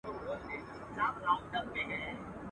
زه زارۍ درته کومه هندوستان ته مه ځه ګرانه.